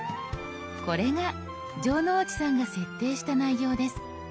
これが城之内さんが設定した内容です。